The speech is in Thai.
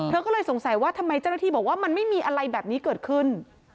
เธอก็เลยสงสัยว่าทำไมเจ้าหน้าที่บอกว่ามันไม่มีอะไรแบบนี้เกิดขึ้น